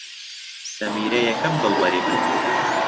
سەمیرە یەکەم دڵبەری من بوو.